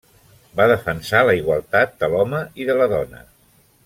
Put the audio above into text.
Va defensar la igualtat de l'home i de la dona.